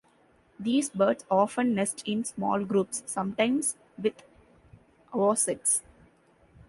These birds often nest in small groups, sometimes with avocets.